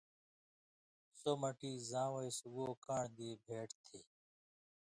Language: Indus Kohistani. سو مٹی زاں وَیں سُگاؤ کان٘ڑ دی بھېٹیۡ تھی۔